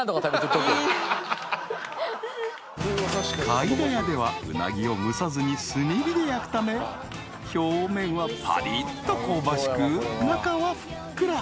［かいだ屋ではうなぎを蒸さずに炭火で焼くため表面はぱりっと香ばしく中はふっくら］